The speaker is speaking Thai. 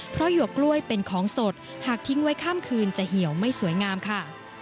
เพราะหยวกกล้วยเป็นของสดหากทิ้งไว้ข้ามคืนจะเหี่ยวไม่สวยงามค่ะ